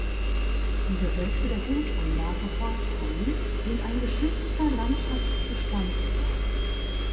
Die Gehölze der Hofanlage Horchheim sind ein geschützter Landschaftsbestandteil.